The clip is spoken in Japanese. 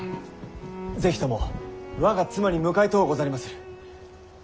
是非とも我が妻に迎えとうござりまする。